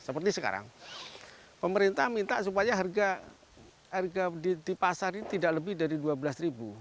seperti sekarang pemerintah minta supaya harga di pasar ini tidak lebih dari rp dua belas ribu